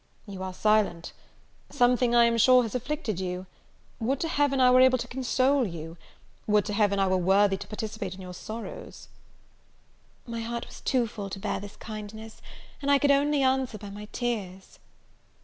You are silent! Something, I am sure, has afflicted you: would to Heaven I were able to console you! Would to Heaven I were worthy to participate in your sorrows!" My heart was too full to bear this kindness, and I could only answer by my tears.